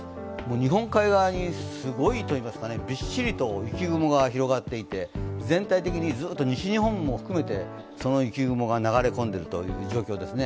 日本海側に、すごいといいますかびっしりと雪雲が広がっていて全体的にずっと西日本も含めてその雪雲が流れ込んでいるという状況ですね。